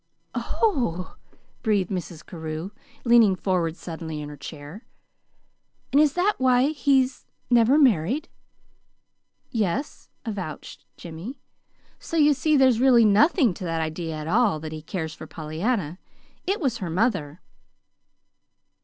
"Oh h!" breathed Mrs. Carew, leaning forward suddenly in her chair. "And is that why he's never married?" "Yes," avouched Jimmy. "So you see there's really nothing to that idea at all that he cares for Pollyanna. It was her mother."